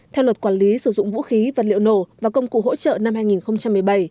theo luật quản lý sử dụng vũ khí vật liệu nổ và công cụ hỗ trợ năm hai nghìn một mươi bảy